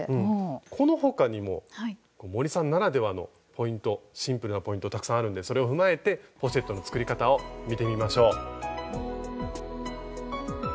この他にも森さんならではのポイントシンプルなポイントたくさんあるんでそれを踏まえてポシェットの作り方を見てみましょう。